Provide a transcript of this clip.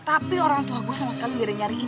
tapi orang tua gue sama sekali gak ada nyariin